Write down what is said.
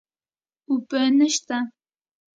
اوبه نشته